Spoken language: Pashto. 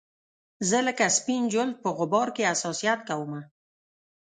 زه لکه سپین جلد په غبار کې حساسیت کومه